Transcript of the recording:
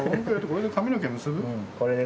これで髪の毛結んで。